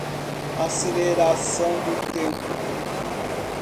Aceleração do tempo.